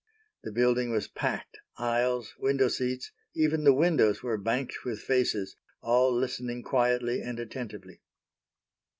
The building was packed, aisles, window seats, even the windows were banked with faces, all listening quietly and attentively.